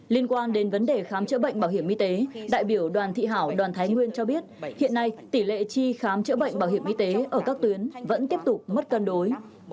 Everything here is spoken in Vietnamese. liên quan đến vấn đề khám chữa bệnh bảo hiểm y tế đại biểu đoàn thị hảo đoàn thái nguyên cho biết hiện nay tỷ lệ tri khám chữa bệnh bảo hiểm y tế ở các tuyến vẫn tiếp tục mất cân đối